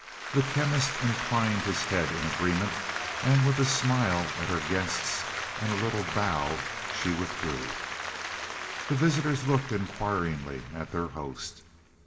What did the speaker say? The Chemist inclined his head in agreement, and with a smile at her guests, and a little bow, she withdrew. The visitors looked inquiringly at their host.